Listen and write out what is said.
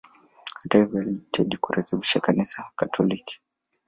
Hata hivyo, alijitahidi kurekebisha Kanisa Katoliki.